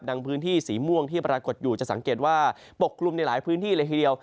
พื้นที่สีม่วงที่ปรากฏอยู่จะสังเกตว่าปกกลุ่มในหลายพื้นที่เลยทีเดียว